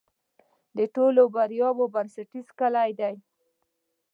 د ټولو بریاوو بنسټیزه کلي ده.